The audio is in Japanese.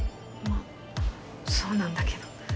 まあそうなんだけど。